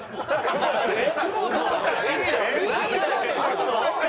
仲間でしょ！